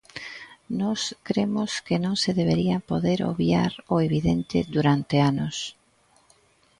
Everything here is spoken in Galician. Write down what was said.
Nós cremos que non se debería poder obviar o evidente durante anos.